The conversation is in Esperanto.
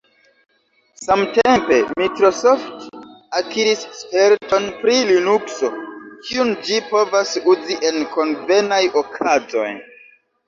Samtempe Microsoft akiris sperton pri Linukso, kiun ĝi povas uzi en konvenaj okazoj.